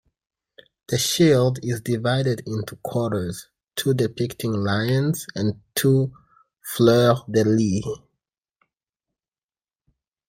The shield is divided into quarters, two depicting lions and two fleur-de-lis.